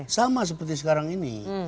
sama seperti sekarang ini